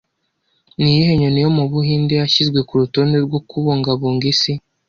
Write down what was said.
Niyihe nyoni yo mu Buhinde yashyizwe ku rutonde rwo kubungabunga isi